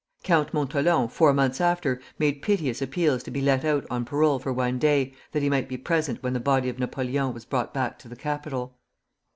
Count Montholon, four months after, made piteous appeals to be let out on parole for one day, that he might be present when the body of Napoleon was brought back to the capital.